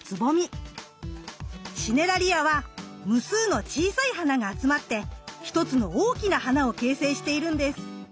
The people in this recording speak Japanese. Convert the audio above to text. シネラリアは無数の小さい花が集まって一つの大きな花を形成しているんです。